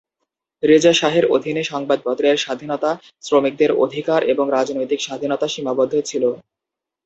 রেজা শাহের অধীনে সংবাদপত্রের স্বাধীনতা, শ্রমিকদের অধিকার এবং রাজনৈতিক স্বাধীনতা সীমাবদ্ধ ছিল।